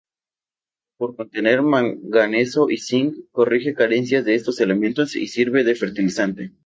Por contener manganeso y zinc, corrige carencias de estos elementos y sirve de fertilizante.